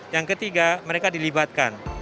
yang ketiga mereka dilibatkan